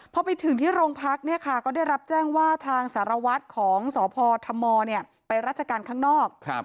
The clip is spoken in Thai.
พอไปถึงที่โรงพักเนี่ยค่ะก็ได้รับแจ้งว่าทางสารวัตรของสพธมไปราชการข้างนอก